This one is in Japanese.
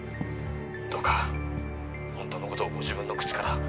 「どうか本当の事をご自分の口から」